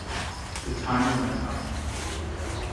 The timer ran out.